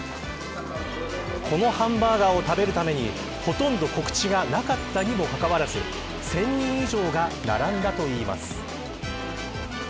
このハンバーガーを食べるためにほとんど告知がなかったにもかかわらず１０００人以上が並んだといいます。